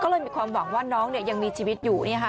ก็เลยมีความหวังว่าน้องยังมีชีวิตอยู่